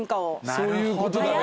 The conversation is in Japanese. そういうことだね。